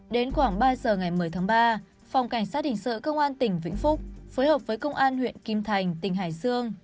đến khoảng ba giờ ngày một mươi tháng ba phòng cảnh sát hình sự công an tỉnh vĩnh phúc phối hợp với công an huyện kim thành tỉnh hải dương